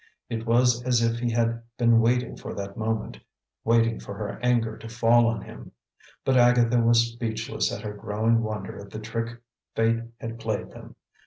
It was as if he had been waiting for that moment, waiting for her anger to fall on him. But Agatha was speechless at her growing wonder at the trick fate had played them.